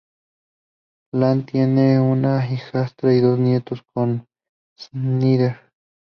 Ian tiene una hijastra y dos nietos con Snyder.